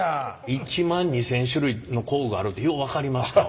１万２，０００種類の工具があるってよう分かりましたわ。